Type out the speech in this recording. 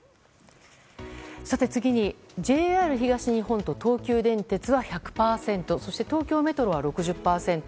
次にＪＲ東日本と東急電鉄は１００％そして東京メトロは６０％。